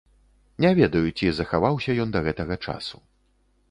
Не ведаю, ці захаваўся ён да гэтага часу.